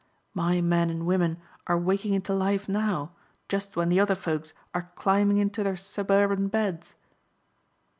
My men and women are waking into life now, just when the other folks are climbing into their suburban beds."